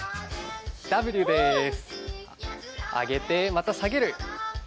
上げて、また下げる。